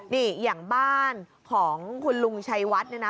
นี่อย่างบ้านของคุณลุงชัยวัดเนี่ยนะ